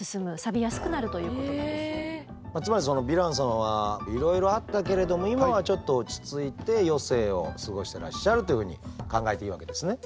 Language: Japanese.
つまりそのヴィラン様はいろいろあったけれども今はちょっと落ち着いて余生を過ごしてらっしゃるというふうに考えていいわけですね。